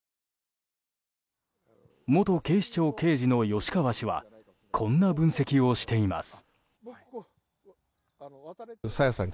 元警視庁刑事の吉川氏はこんな分析をしています。